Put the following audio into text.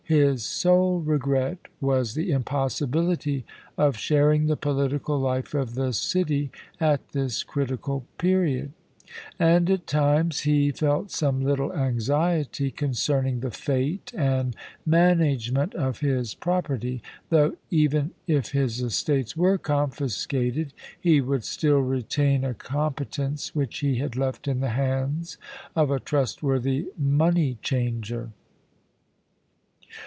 His sole regret was the impossibility of sharing the political life of the city at this critical period; and at times he felt some little anxiety concerning the fate and management of his property, though, even if his estates were confiscated, he would still retain a competence which he had left in the hands of a trustworthy money changer.